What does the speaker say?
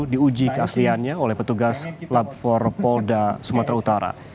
diuji keasliannya oleh petugas lab empat polda sumatera utara